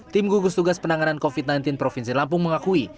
tim gugus tugas penanganan covid sembilan belas provinsi lampung mengakui